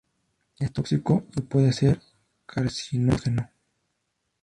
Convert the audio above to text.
Es tóxico y puede ser carcinógeno.